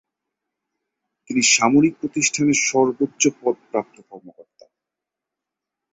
তিনি সামরিক প্রতিষ্ঠানের সর্বোচ্চ পদ প্রাপ্ত কর্মকর্তা।